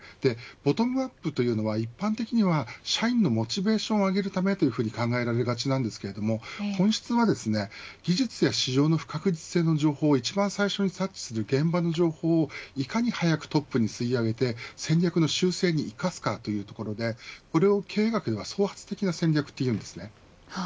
ボトムアップというのは一般的には社員のモチベーションを上げるためと考えられがちなんですけれども本質は技術や市場の不確実性の情報を一番最初に察知する現場の情報をいかに早くトップに吸い上げて戦略の修正に生かすかというところでこれを経営学では創発的な戦略といいます。